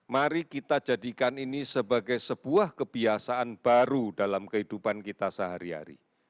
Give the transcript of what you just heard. mari kita jadikan ini sebagai sebuah kebiasaan baru dalam kehidupan kita sehari hari